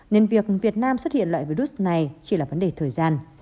nên việc việt nam xuất hiện loại virus này chỉ là vấn đề thời gian